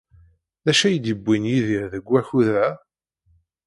D acu ay d-yewwin Yidir deg wakud-a?